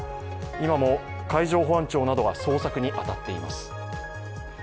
今も海上保安庁などが捜索に当たっています。